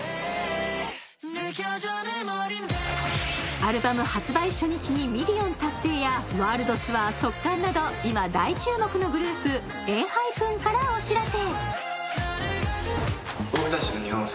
アルバム発売初日にミリオン達成やワールドツアー即完など今大注目のグループＥＮＨＹＰＥＮからお知らせ。